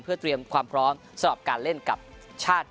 เพื่อเตรียมความพร้อมสำหรับการเล่นกับชาติ